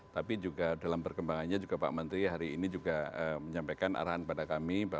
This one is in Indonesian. tapi juga dalam perkembangannya juga pak menteri hari ini juga menyampaikan arahan pada kami